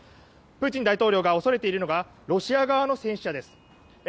プーチン大統領が恐れているのがロシア側の戦死者です。